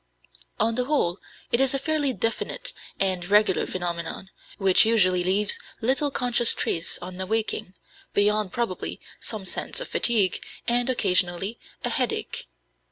On the whole, it is a fairly definite and regular phenomenon which usually leaves little conscious trace on awaking, beyond probably some sense of fatigue and, occasionally, a headache.